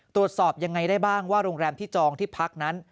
ตรวจสอบยังไงได้บ้างว่าโรงแรมที่จองที่พักนั้น